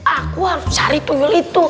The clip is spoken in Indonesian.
aku harus cari pukul itu